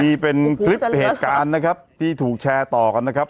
นี่เป็นคลิปเหตุการณ์นะครับที่ถูกแชร์ต่อกันนะครับ